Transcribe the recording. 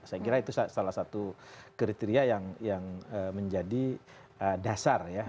saya kira itu salah satu kriteria yang menjadi dasar ya